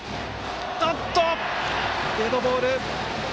デッドボール。